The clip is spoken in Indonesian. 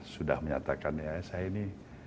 sudah menyatakan ya saya ini